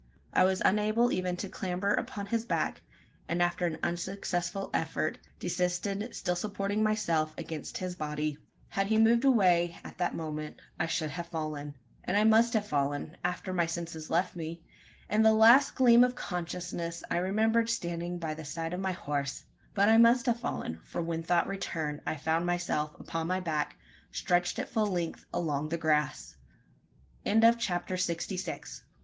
I was unable even to clamber upon his back; and after an unsuccessful effort, desisted still supporting myself against his body. Had he moved away, at the moment, I should have fallen. And I must have fallen after my senses left me. In the last gleam of consciousness, I remembered standing by the side of my horse. But I must have fallen: for when thought returned, I found myself upon my back, stretched at full length along the grass! CHAPTER SIXTY SEVEN.